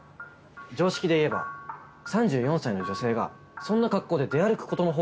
常識で言えば３４歳の女性がそんな格好で出歩くことの方が。